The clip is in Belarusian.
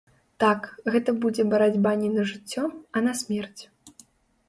Так, гэта будзе барацьба не на жыццё а на смерць.